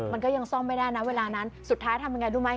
มันก็ยังซ่อมไม่ได้นะเวลานั้นสุดท้ายทำยังไงรู้ไหม